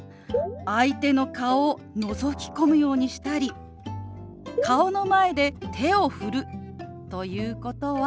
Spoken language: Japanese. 相手の顔をのぞき込むようにしたり顔の前で手を振るということはマナー違反なんです。